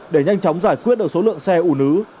để nhanh chóng giải quyết được số lượng xe ủ nứ